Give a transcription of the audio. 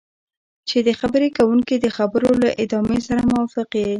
چې د خبرې کوونکي د خبرو له ادامې سره موافق یې.